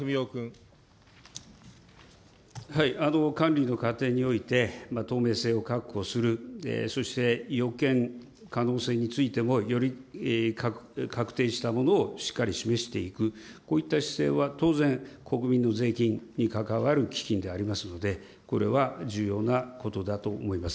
管理の過程において、透明性を確保する、そして予見可能性についても、より確定したものをしっかり示していく、こういった姿勢は当然国民の税金に関わる基金でありますので、これは重要なことだと思います。